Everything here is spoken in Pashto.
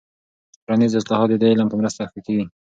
ټولنیز اصلاحات د دې علم په مرسته ښه کیږي.